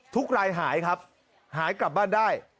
ทุกรายหายครับหายกลับบ้านได้